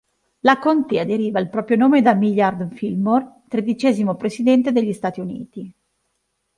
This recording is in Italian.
La contea deriva il proprio nome da Millard Fillmore, tredicesimo presidente degli Stati Uniti.